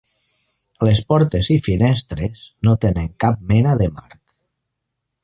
Les portes i finestres no tenen cap mena de marc.